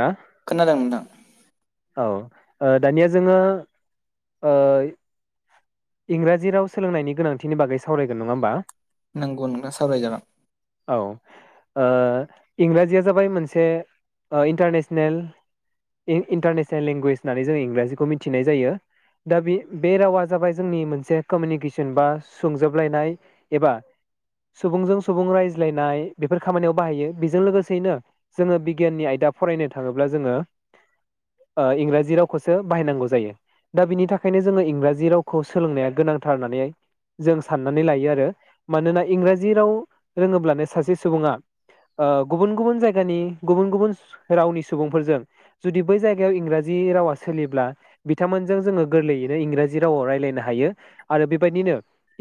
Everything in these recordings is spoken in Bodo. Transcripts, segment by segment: ना खोनादों नोंथां? औ ओ दानिया जोङो ओय इंराजि राव सोलोंनायनि गोनांथिनि बागै सावरायगोन नङा होमबा। नोंगौ नंङा सावराय जागोन। औ ओ इंराजिया जाबाय मोनसे ओ इन्टारनेसनेल इ इन्टारनेसनेल लेंगुवेज होननानै जोंङो इंराजिखौ मिनथिनाय जायो दा बे बे रावा जाबाय। जोंनि मोनसे कमनिकेसन बा सोंजोबलायनाय एबा सुबुंजों सुबुं रायज्लायनाय बेफोर खामानियाव बाहायो जोंनि मोनसे क'म्मुनिकेस'न बा सोंजोबलायनाय एबा सुबुंजों- सुबुं रायज्लायनाय बेफोर खामानियाव बाहायो बेजों लोगोसेयैनो जोङो बिगियाननि आयदा फरायनो थाङोब्ला जोङो इंराजि रावखौसो बाहायनांगौ जायो दा बिनि थाखायनो जोङो इंराजि रावखौ खौ सोलोंनाया गोनांथार होननानै जों साननानै लायो आरो मानोना इंराजि राव रोङोब्लानो सासे सुबुङा गुबुन गुबुन खौ सोलोंनाया गोनांथार होन्नानै हाय जों साननानै लायो आरो मानोना इंराजि राव रोंङोब्लानो सासे सुबुं आ ओ गुबुन - गुबुन जायगानि गुबुन गुबुन रावनि सुबुंफोरजों जुदि बै जायगायाव इंराजि रावा सोलिब्ला बिथांमोनजों जोङो गोरलैयैनो इंराजि रावाव राय मिनो हायो आरो बेबायदिनो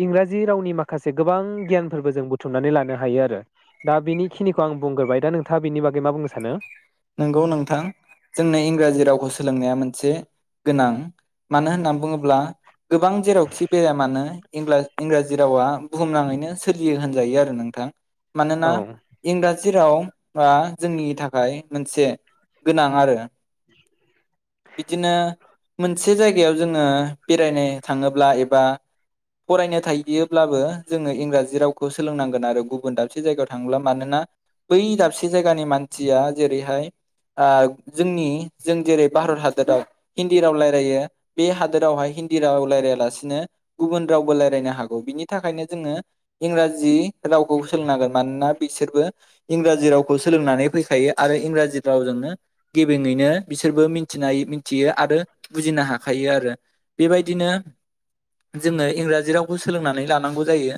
इंराजि रावनि माखासे गोबां बुंलायनो हायो आरो बेबादिनो इंराजि रावनि माखासे गोबां गियानफोरबो जों बुथुमनानै लानो हायो आरो दा बिनिखिनिखौ आं बुंग्रोबाय दा नोंथाङा बिनि बागै मा बुंनो सानो? नंगौ नोंथां जोंनो इंराजि रावखौ सोलोंनाया मोनसे गोनां मानो होननानै बुङोब्ला गोबां जेरावखि बेरायआ मानो इंराजि रावा बुहुमनाङैनो सोलियो होनदों जायो आरो नोंथां। मानोना औ इंराजि जेराव बा जोंनि थाखाय मोनसे गोनां आरो बिदिनो मोनसे जायगायाव जोङो बेरायनो थांङोब्ला एबा फरायनो थाहैयोब्लाबो जोंङो मोनसे गोनां आरो बिदिनो मोनसे जायगायाव जोंङो बेरायनो थाङोब्ला एबा फरायनो थाहैयोब्लाबो जोङो इंराजि रावखौ सोलोंनांगोन आरो गुबुन दाबसे जायगायाव थाङोब्ला मानोना बै दाबसे जायगानि मानसिया जेरैहाय आ जोंनि जों जेरै भारत हादोराव हिन्दी राव रायलायो बे हादोरावहाय हिन्दी राव रायलाया लासिनो गुबुन रावबो रायजलायनो हागौ बिनि थाखायनो जोङो इंराजि रावखौ सोलोंनांगोन मानोना बिसोरबो इंराजि रावखौ सोलोंनानै फैखायो। आरो इंराजि रावजोंनो गेबेङैनो बिसोरबो मिन्थिनाय मिथियो आरो बुजिनो हाखायो आरो बेबायदिनो जोङो आरो इंराजि रावजोंनो गेबेंङैनो बिसोरबो मोनथिनो हायो मोनथियो आरो बुजिनो हाखायो आरो बेबादिनो जोंङो इंराजि रावखौ सोलोंनानै लानांगौ जायो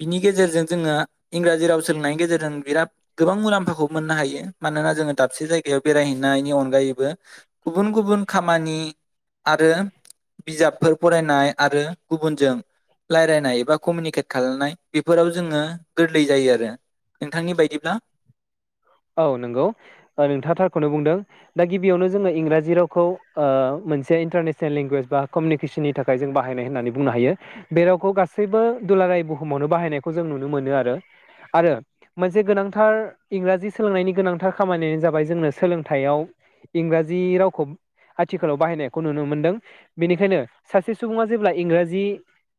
बिनि गेजेरजों जोङो इंराजि राव सोलोंनायनि गेजेरजों बिराद गोबां मुलाम्फाखौ मोननो हायो। मानोना जोंङो दाबसे जायगायाव बेरायहैनायनिअनगायैबो गुबुन गुबुन खामानि आरो बिजाबफोर फरायनाय आरो गुबुनजों रायलायनाय एबा कमिउनिकेट खालामनाय बेफोराव जोङो गोरलै जायो आरो नोंथांनि बायदिब्ला नोंथांआथारखौनो बुंदों दा गिबियावनो जोङो इंराजि रावखौ मोनसे इन्टारनेसनेल लेंगुवेज बा कमिउनिकेसननि औ औ औ नोंथाङा थारखौनो बुंदों दा गिबियावनो जोंङो इंराजि रावखौ ओ मोनसे इन्टारनेसनेल लेंगुवेज बा क'म्मुनिकेस'ननि थाखाय जों बाहायनाय होननानै बुंनो हायो बे रावखौ गासैबो दुलाराय बुहुमावनो बाहायनायखौ जों नुनो मोनो आरो आरो मोनसे गोनांथार इंराजि सोलोंनायनि गोनांथार खामानियानो जाबाय जोंनो सोलोंथाइयाव इंराजि रावखौ मोनसे गोनांथार इंराजि सोलोंनायनि गोनांथार खामानियानो जाबाय जोंनो सोलोंथाइयाव इंराजि रावखौ आथिखालाव बाहायनायखौ नुनो मोनदों बेनिखायनो सासे सुबुङा जेब्ला इंराजि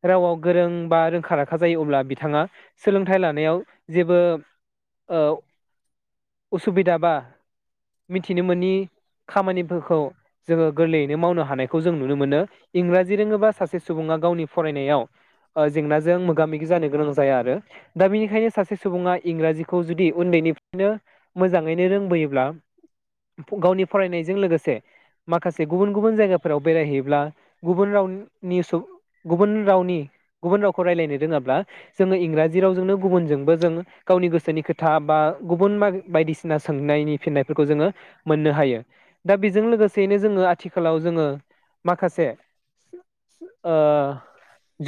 रावाव गोरों बा रोंखा राखा जायो अब्ला बिथाङा सोलोंथाइ लानायाव जेबो उसुबिदा बा मिथिनो मोननि खामानिफोरखौ जोंङो गोरलैयैनो मावनो हानायखौ जों नुनो मोनो इंराजि रोङोबा सासे सुबुङा गावनि फरायनायाव जेंनाजों मोगा मोगि जानो गोनां जाया आरो दा बिनिखायनो सासे सुबुङा इंराजिखौ जुदि उन्दैनिफ्रायनो मोजाङैनो रोंबोयोब्ला गावनि फरायनायजों लोगोसे माखासे गुबुन - गुबुन जायगाफोराव बेरायहैयोब्ला गुबुन रावनि गुबुन रावनि गुबुन रावखौ रायज्लायनो रोङाब्ला जोङो इंराजि रावजोंनो गुबुनजोंबो जों- गावनि गोसोनि खोथा बा गुबुन बायदिसिना सोंनायनि फिननायफोरखौ जोङो मोननो हायो दा बेजों लोगोसेयैनो जोङो आथिखालाव जोङो माखासे ओ-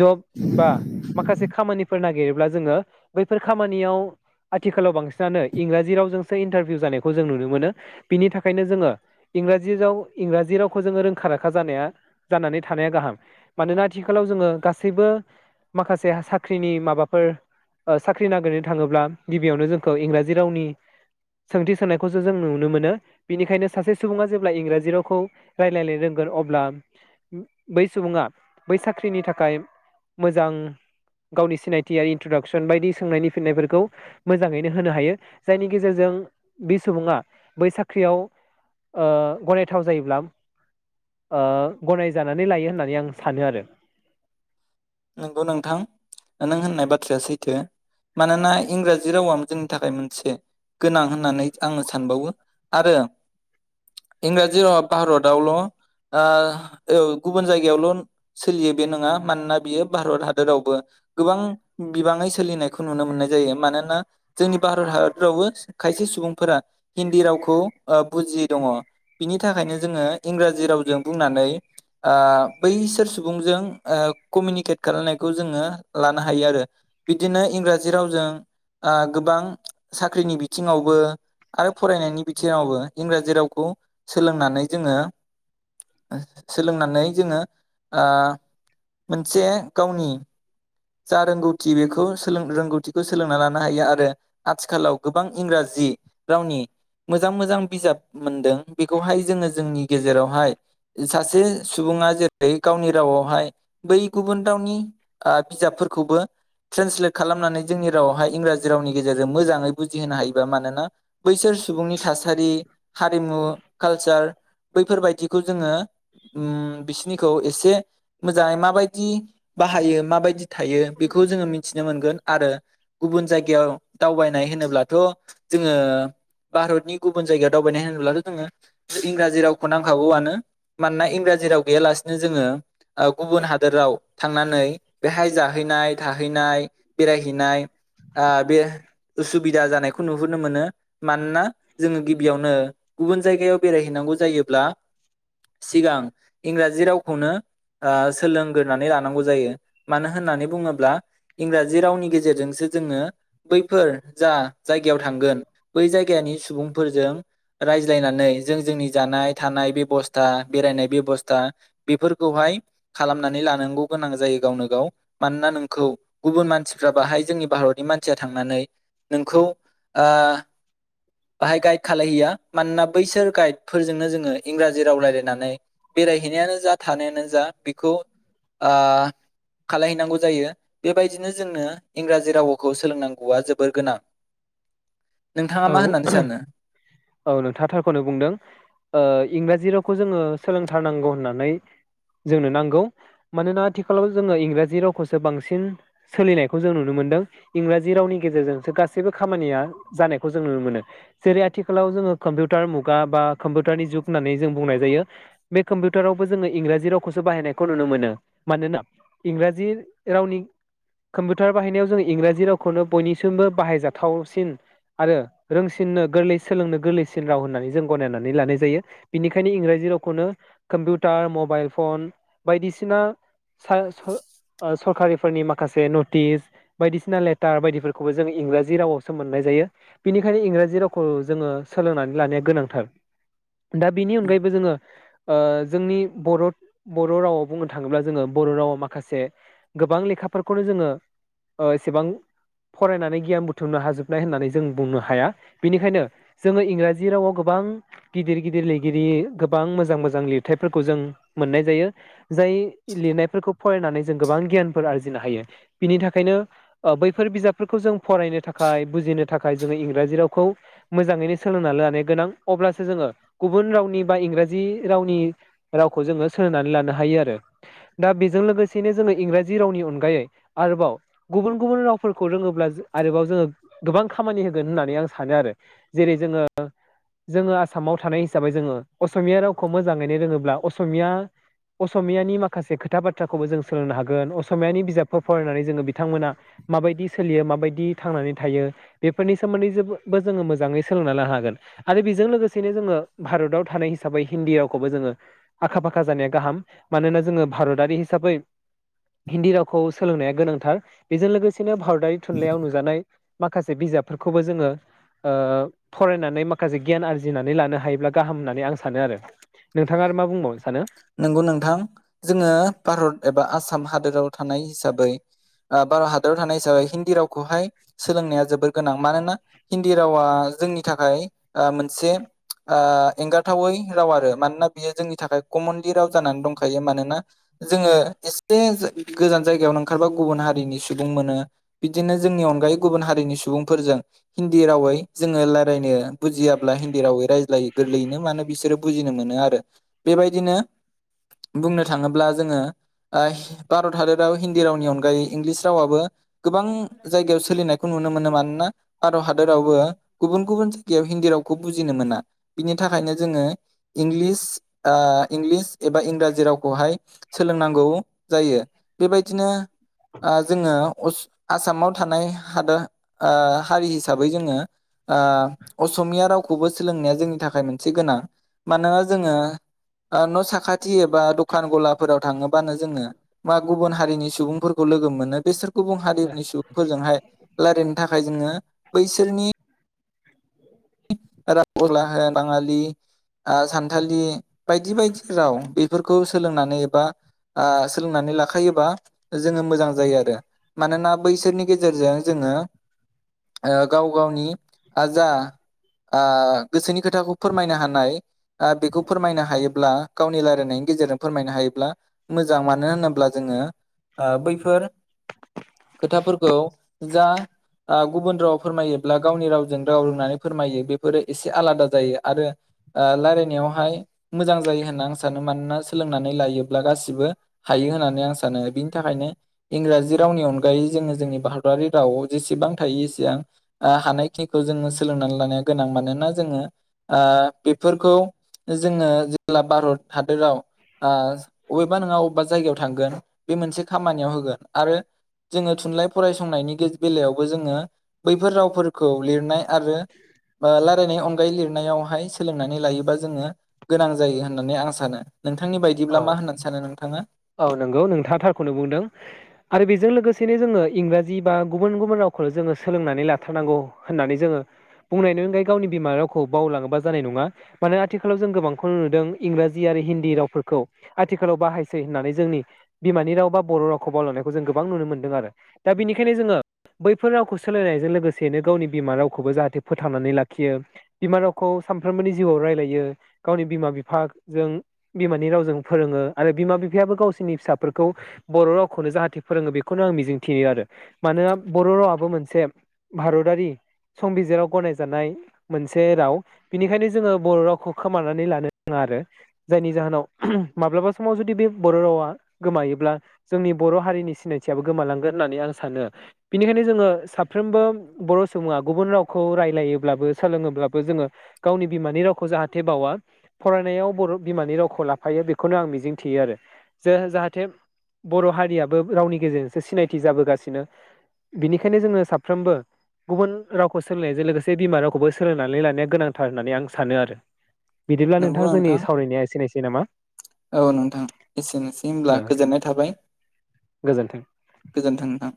जब बा माखासे खामानिफोर नागिरोब्ला जोङो बैफोर खामानियाव आथिखालाव बांसिनानो इंराजि रावजोंसो इन्टारभिउ जानायखौ जों नुनो मोनो बिनि थाखायनो जोङो इंराजि राव इंराजि रावखौ जोङो रोंखा राखा जानाया जानानै थानाया गाहाम मानोना आथिखालाव जोङो गासैबो माखासे साख्रिनि माबाफोर अ साख्रि नागिरनो थाङोब्ला गिबियावनो जोंखौ इंराजि रावनि सोंथि सोंनायखौसो जों नुनो मोनो बिनिखायनो सासे सुबुङा जेब्ला इंराजि रावखौ रायलायनो रोंगोन अब्ला बै सुबुङा बै साख्रिनि थाखाय मोजां गावनि सिनायथि आरो इन्ट्रदाक्सन बायदि सोंनायनि फिननायफोरखौ मोजाङैनो होनो हायो जायनि गेजेरजों बे सुबुङा बै साख्रियाव ओ गनायथाव जायोब्ला ओ गनायजानानै लायो होननानै आं सानो आरो नंगौ नोंथां नों होननाय बाथ्राया सैथो मानोना इंराजि रावआ जोंनि थाखाय मोनसे गोनां होननानै आङो सानबावो आरो इंराजि रावा भारतावल'आ अ गुबुन जायगायावल' बे सोलियो बे नङा मानोना बियो भारत हादरावबो गोबां बिबाङै सोलिनायखौ नुनो मोननाय जायो मानोना जोंनि भारत हादरावबो खायसे सुबुंफोरा हिन्दी रावखौ बुजियै दङ बिनि थाखायनो जोङो इंराजि रावजों बुंनानै आ बैसोर सुबुंजों कमिउनिकेट खालामनायखौ जोङो लानो हायो आरो बिदिनो इंराजि रावजों आ गोबां साख्रिनि बिथिङावबो आरो फरायनायनि बिथिङावबो इंराजि रावखौ सोलोंनानै जोङो सोलोंनानै जोङो ओ- मोनसे गावनि जा रोंगौथि बेखौ सों रोंगौथिखौ सोलोंना लानो हायो आरो आथिखालाव गोबां इंराजि रावनि मोजां मोजां बिजाब मोनदों बेखौहाय जोङो जोंनि गेजेरावहाय सासे सुबुङा जेरै गावनि रावावहाय बै गुबुन रावनि बिजाबफोरखौबो ट्रेन्सलेट खालामनानै जोंनि रावावहाय इंराजि रावनि गेजेरजों मोजाङै बुजिहोनो हायोबा मानोना बैसोर सुबुंनि थासारि हारिमु कालचार बैफोरबायदिखौ जोङो उम बिसिनिखौ एसे मोजाङै मा माबायदि बाहायो माबायदि थायो बेखौ जोङो [unintelligible] मिथिनो मोनगोन आरो गुबुन जायगायाव दावबायनाय होनोब्लाथ' जोङो भारतनि गुबुन जायगायाव दावबायनाय होनोब्लाथ' जोङो इंराजि रावखौ नांखागौआनो मानोना इंराजि राव गैयालानो जोङो गुबुन हादर हादोराव थांनानै बेहाय जाहैनाय थाहैनाय बेरायहैनाय आं बे उसुबिदा जानायखौ नुहुरनो मोनो मानोना जोङो गिबियावनो गुबुन जायगायाव बेरायहैनांगौ जायोब्ला सिगां इंराजि रावखौनो आ सोलों दोननानै लानांगौ जायो मानो होननानै बुङोब्ला इंराजि रावनि गेजेरजोंसो जोङो बैफोर जा जायगायाव थांगोन बै जायगानि सुबुंफोरजों रायज्लायनानै जों जोंनि जानाय थानाय बेबस्था बेरायनाय बेब'स्था बेफोरखौहाय खालाम [unintelligible] लांगौ गोनां जायो गावनो गाव मानोना नोंखौ गुबुन मानसिफ्रा बाहाय जोंनि भारतनि मानसिया थांनानै नोंखौ ओ बाहाय गाइद खालहैया मानोना बैसोर गाइद फोरजोंनो जोङो इंराजि राव रायजलायनानै बेरायहैनायानो जा थानायानो जा बेखौ ओ खालाय हैनांगौ जायो बेबायदिनो जोंनो इंराजि रावखौ सोलोंनांगौआ जोबोर गोनां नोंथाङा औ मा होननानै सानो? औ नोंथाङा थारखौनो बुंदों इंराजि राव खौ जोङो सोलोंथारनांगौ होननानै जोंनो नांगौ मानोना आथिखालाव जोङो इंराजि रावखौसो बांसिन सोलिनायखौ जों नुनो मोन्दों इंराजि रावनि गेजेरजोंसो गासैबो खामानिया जानायखौ खौ जों नुनो मोनोे जेरै आथिखालाव जोङो कम्पिउटार मुगा बा कम्पिउटारनि जुग होननानै जों बुंनाय जायो बे कम्पिउटारावबो जोङो इंराजि रावखौसो बाहायनायखौ नुनो मोनो मानोना इंराजि रावनि कम्पिउटार बाहायनायाव जों इंराजि रावखौनो बयनिसिमबो बाहायजाथावसिन आरो रोंसिननो गोरलै सोलोंनो गोरलैसिन राव होननानै जों गनायनानै लानाय जायो बिनिखायनो इंराजि रावखौनो कम्पिउटार मबाइल फन बायदिसिना सा ओ सरकारिफोरनि माखासे नटिस बायदिसिना लेटार बायदिफोरखौबो जों इंराजि रावावसो मोननाय जायो बिनिखायनो इंराजि रावखौ जोङो सोलोंनानै लानाया गोनांथार दा बेनि अनगायैबो जोङो ओ जोंनि बर' बर' रावाव बुंनो थाङोब्ला जोङो बर' रावाव माखासे गोबां लेखाफोरखौनो जोङो ओ एसेबां फरायनानै गियान बुथुमनो हाजोबनाय होननानै ज जों बुंनो हाया बिनिखायनो जोङो इंराजि रावाव गोबां गिदिर गिदिर लिरगिरि गोबां मोजां मोजां लिरथायफोरखौ जों मोननाय जायो जाय लिरनायफोरखौ फरायनानै जों गोबां गियानफोर आरजिनो हायो बिनि थाखायनो ओ बैफोर बिजाबफोरखौ जों फरायनो थाखाय बुजिनो थाखाय जोङो इंराजि रावखौ मोजाङैनो सोलोंनानै लानो गोनां अब्लासो जोङो गुबुन रावनि बा इंराजि रावनि रावखौ जोङो सोलोंनानै लानो हायो आरो दा बेजों लोगोसेनो जोङो इंराजि रावनि अनगायै आरोबाव गुबुन गुबुन रावफोरखौ रोङोब्ला आरोबाव जोङो गोबां खामानि होगोन होननानै आं सानो आरो जेरै जोङो जोङो आसामाव थानाय हिसाबै जोङो असमिया रावखौ मोजाङैनो रोङोब्ला असमिया असमियानि माखासे खोथा बाथ्राखौबो जों सोलोंनो हागोन असमियानि बिजाबफोर फरायनानै जोङो बिथांमोना माबायदि सोलियो माबायदि थांनानै थायो बेफोरनि सोमोन्दै जोबो बो जोङो मोजाङै सोलोंना लानो हागोन आरो बेजों लोगोसेनो जोङो भारताव थानाय हिसाबै हिन्दी रावखौबो जोङो आखा फाखा जानाया गाहाम मानोना जोङो भारतारि हिसाबै हिन्दी रावखौ सोलोंनाया गोनांथार बेजों लोगोसेनो भारत थारि थुनलाइयाव नुजानाय माखासे बिजाबफोरखौबो जोङो ओ फरायनानै माखासे गियान आरजिनानै लानो हायोब्ला गाहाम होननानै आं सानो आरो नोंथाङा आरो मा बुंबावनो सानो? नंगौ नोंथां जोङो भारत एबा आसाम हादोराव थानाय हिसाबै ओ भारत हादराव थानाय हिसाबै हिन्दी रावखौहाय सोलोंनाया जोबोर गोनां मानोना हिन्दी रावा जोंनि थाखाय ओ मोनसे ओ एंगारथावै राव आरो मानोना बियो जोंनि थाखाय कमनलि राव जानानै दंखायो मानोना जोङो एसे गोजान जायगायावनो ओंखारबा गुबुन हारिनि सुबुं मोनो बिदिनो जोंनि अनगायै गुबुन हारिनि सुबुंफोरजों हिन्दी रावै जोङो रायलायनो बुजियाब्ला हिन्दी रावै रायज्लायो गोरलैयैनो मानो बिसोरो बुजिनो मोनो आरो बेबायदिनो बुंनो थाङोब्ला जोङो ओ भारत हादराव हिन्दी रावनि अनगायै इंलिस रावाबबो गोबां जायगायाव सोलिनायखौ नुनो मोनो मानोना भारत हादरावबो गुबुन गुबुन गायाव हिन्दी रावखौ बुजिनो मोना बिनि थाखायनो जोङो इंलिस ओ इंलिस एबा इंराजि रावखौहाय सोलोंनांगौ जायो बेबायदिनो ओ जोङो अस आसामाव थानाय हादोर ओ हारि हिसाबै जोङो ओ असमिया रावखौबो सोलोंनाया जोंनि थाखाय मोनसे गोनां मानोना जोङो ओ न' साखाथि एबा दखान गलाफोराव थाङोबानो जोङो मा गुबुन हारिनि सुबुंफोरखौ लोगो मोनो बेसोर गुबुन हारिनि सुबुंफोरजोंहाय रायलायनो थाखाय थाखाय जोङो बैसोरनि [inaudible] राव होनोब्लाहाय बाङालि ओ सानथालि बायदि बायदि राव बेफोरखौ सोलोंनानै एबा ओ सोलोंनानै लाखायोबा जोङो मोजां जायो आरो मानोना बैसोरनि गेजेरजों जोङो ओ गाव गावनि जा गोसोनि खोथाखौ फोरमायनो हानाय ओ बेखौ फोरमायनो हायोब्ला गावनि रायलायनायनि गेजेरजों फोरमायनो हायोब्ला मोजां मानो होनोब्ला जोङो ओ बैफोर खोथाफोरखौ जा ओ गुबुन राव फोरमायोब्ला गावनि रावजों राव रोंनानै फोरमायो बेफोरो एसे आलादा जायो आरो ओ रायलायनायावहाय मोजां जायो होनना आं सानो मानोना सोलोंनानै लायोब्ला गासिबो हायो होननानै आं सानो बिनि थाखायनो इंराजि रावनि अनगायै जोङो जोंनि भारतारि राव जेसेबां थायो एसेबां ओ हानायखिनिखौ जोङो सोलोंनानै लानाया गोनां मानोना जोङो ओ बेफोरखौ जोङो जेला भारत हादोराव ओ अबेबा नङा अबेबा जायगायाव थांगोन बे मोनसे खामानियाव होगोन आरो जोङो थुनलाइ फरायसंनायनि बेलायावबो जोङो बैफोर रावफोरखौ लिरनाय आरो रायलायनाय अनगायै लिरनायावहाय सोलोंनानै लायोबा जोङो गोनां जायो होननानै आं सानो नोंथांनि बायदिब्ला औ मा होननानै सानो नोंथाङा औ नंगौ नोंथाङा थारखौनो बुंदों आरो बेजों लोगोसे सेैनो जोङो इंराजि बा गुबुन गुबुन रावखौनो जोङो सोलोंनानै लाथारनांगौ होननानै जोङो बुंनायनि अनगायै गावनि बिमा रावखौ बावलाङोबा जानाय नङा माने आथिखालाव जों गोबांखौ नुदों इंराजि आरो हिन्दी रावफोर खौ आथिखालाव बाहायसै होननानै जोंनि बिमानि राव बा बर' रावखौ बावलायनायखौ जों गोबां नुनो मोनदों आरो दा बिनिखायनो जोङो बैफोर रावखौ सोलायनायजों लोगोसेनो गावनि बिमा रावखौबो जाहाथे फोथांनानै लाखियो बिमा रावखौ सानफ्रोमबोनि जिउआव रायलायो गावनि बिमा बिफा जों बिमा नि रावजों फोरोङो आरो बिमा बिफायाबो गावसोरनि फिसाफोरखौ बर' रावखौनो जाहाथे फोरोङो बेखौनो आं मिजिंथियो आरो मानोना बर' रावाबो मोनसे भारतारि संबिजिराव गनायजानाय मोनसे राव बिनिखायनो जोङो बर' रावखौ खोमानानै लानो नाङा आरो जायनि जाहोनाव माब्लाबा समाव जुदि बे बर रावा गोमायोब्ला जोंनि बर हारिनि सिनायथियाबो गोमालांगोन होननानै आं सानो बिनिखायनो जोंङो साफ्रोमबो बर सुबुङा गुबुन रावखौ रायलायोब्लाबो सोलोङोब्लाबो जोंङो गावनि बिमानि रावखौ जाहाथे बावा फरायनायाव बर बिमानि रावखौ लाफायो। लाफायो बेखौनो आं मिजिं थियो आरो जे जाहाथे बर हारियाबो रावनि गेजेरजोंसो सिनायथि जाबोगासिनो बिनिखायनो जोङो साफ्रोमबो गुबुन रावखौ सोलोंनायजों लोगोसे बिमा रावखौबो सोलोंनानै लानाया गोनांथार होननानै आं सानो आरो। बिदिब्ला नोंथां जोंनि सावरायनाया एसेनोसै। दोनथनोसै नामा। औ नोंथां एसेनोसै ओ होनब्ला गोजोननाय थाबाय गोजोन्थों। गोजोन्थों नोंथां।